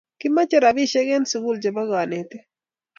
kimache rapishek en sukul che bo kanetik